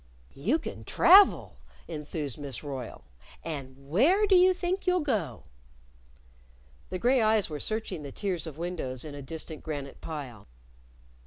"You can travel!" enthused Miss Royle. "And where do you think you'll go?" The gray eyes were searching the tiers of windows in a distant granite pile.